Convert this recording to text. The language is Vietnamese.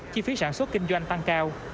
chi phí sản xuất kinh doanh tăng cao